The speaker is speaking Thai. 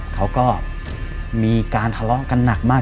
เขาก็มีการทะเลาะกันหนักมาก